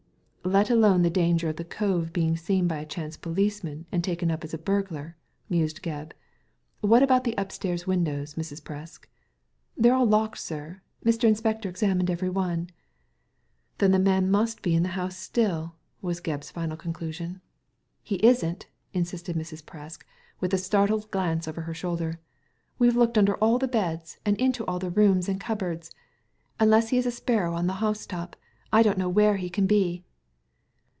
" Let alone the danger of the cove being seen by a chance policeman, and taken up as a burglar," mused Gebb, what about the upstairs windows, Mrs. Presk?" " They're all locked, sir. Mr. Inspector examined every one." "Then the man must be in the house still/' was Gebb's final conclusion* Digitized by Google THE DEATH CARD 21 "He isn't," insisted Mrs. Prcsk, with a startled glance over her shoulder; ''we've looked under all the beds, and into all the rooms and cupboards. Unless he is like a sparrow on the house top, I don't know where he can be."